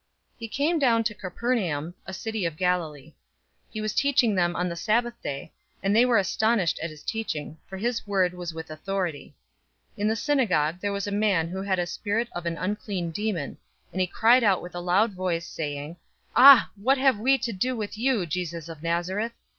004:031 He came down to Capernaum, a city of Galilee. He was teaching them on the Sabbath day, 004:032 and they were astonished at his teaching, for his word was with authority. 004:033 In the synagogue there was a man who had a spirit of an unclean demon, and he cried out with a loud voice, 004:034 saying, "Ah! what have we to do with you, Jesus of Nazareth?